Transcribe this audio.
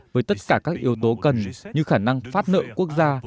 với tất cả các yếu tố cần như khả năng phát nợ quốc gia